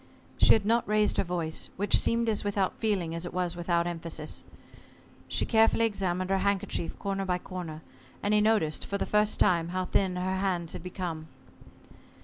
She had not raised her voice, which seemed as without feeling as it was without emphasis. She carefully examined her handkerchief corner by corner, and he noticed for the first time how thin her hands had become.